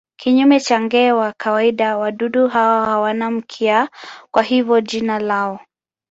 Kinyume na nge wa kawaida wadudu hawa hawana mkia, kwa hivyo jina lao.